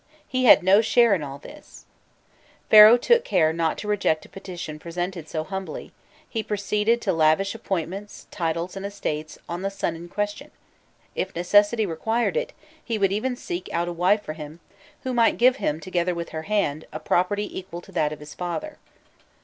he had no share in all this. Pharaoh took good care not to reject a petition presented so humbly: he proceeded to lavish appointments, titles, and estates on the son in question; if necessity required it, he would even seek out a wife for him, who might give him, together with her hand, a property equal to that of his father.